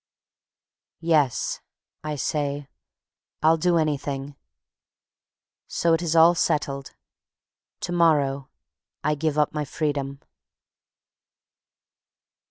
"Yes," I say; "I'll do anything." So it is all settled. To morrow I give up my freedom.